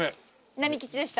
何吉でした？